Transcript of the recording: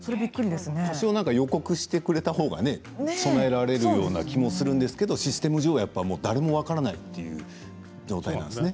多少、予告してくれたほうがね備えられるような気もするんですけれどもシステム上誰も分からないという状態なんですね。